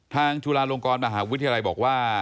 จุฬาลงกรมหาวิทยาลัยบอกว่า